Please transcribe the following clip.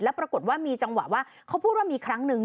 ปรากฏว่ามีจังหวะว่าเขาพูดว่ามีครั้งนึง